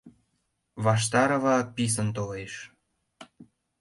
Ваштарова писын толеш.